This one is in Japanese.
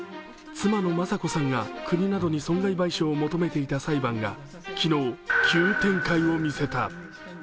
妻の雅子さんが国などに損害賠償を求めていた裁判が昨日、急展開を見せた。